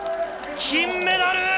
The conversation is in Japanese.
金メダル！